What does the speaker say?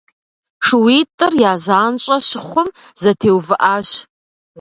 Шууитӏыр я занщӏэ щыхъум, зэтеувыӏащ.